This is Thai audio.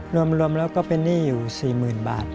รวมแล้วก็เป็นหนี้อยู่๔๐๐๐บาท